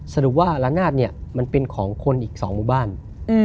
สรุปว่าละนาฌมันเป็นของคนอีกสองมุ่นบ้านถัดไป